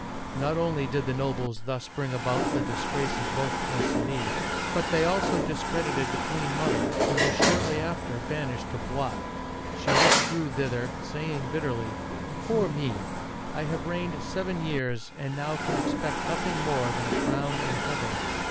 Not only did the nobles thus bring about the disgrace of both Concinis, but they also discredited the queen mother, who was shortly after banished to Blois. She withdrew thither, saying bitterly, Poor me ! I have reigned seven years, and now can expect nothing more than a crown in Heaven